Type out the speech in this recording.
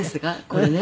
これね。